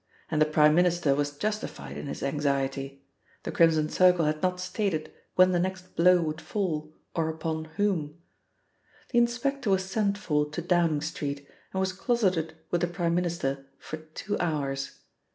And the Prime Minister was justified in his anxiety. The Crimson Circle had not stated when the next blow would fall, or upon whom. The inspector was sent for to Downing Street, and was closeted with the Prime Minister for two hours.